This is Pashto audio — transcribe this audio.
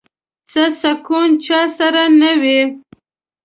څه سکون چا سره نه وي